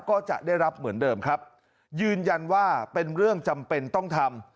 ก็จะได้รับเหมือนเดิมครับยืนยันว่าเป็นเรื่องจำเป็นต้องทำ